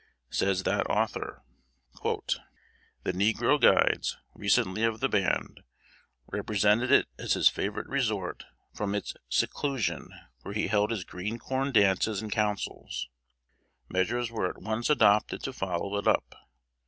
Says that author: "The negro guides, recently of the band, represented it as his favorite resort from its seclusion, where he held his green corn dances and councils. Measures were at once adopted to follow it up.